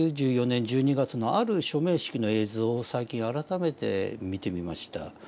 ９４年１２月のある署名式の映像を最近改めて見てみました。